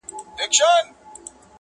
پر وزر د توتکۍ به زېری سپور وي!!